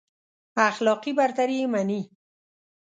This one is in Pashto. اخلاقي برتري يې مني.